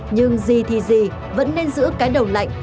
nhưng gì thì gì vẫn nên giữ cái đầu lạnh